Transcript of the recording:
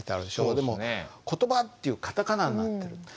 でも「コトバ」っていうカタカナになってる。